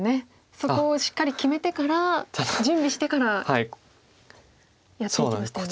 そこをしっかり決めてから準備してからやっていきましたよね。